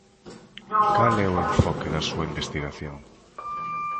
Cal é o enfoque da súa investigación?